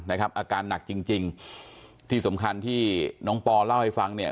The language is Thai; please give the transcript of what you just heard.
อาการหนักจริงที่สำคัญที่น้องปอเล่าให้ฟัง